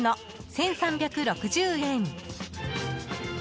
１３６０円。